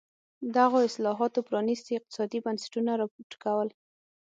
دغو اصلاحاتو پرانېستي اقتصادي بنسټونه را وټوکول.